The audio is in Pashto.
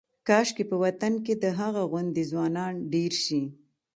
کاشکې په وطن کې د هغه غوندې ځوانان ډېر شي.